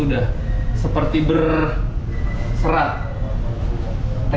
maka seperti bergantian